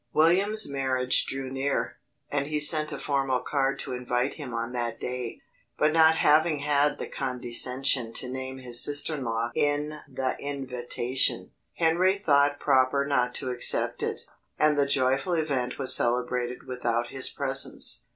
William's marriage drew near, and he sent a formal card to invite him on that day; but not having had the condescension to name his sister in law in the invitation, Henry thought proper not to accept it, and the joyful event was celebrated without his presence.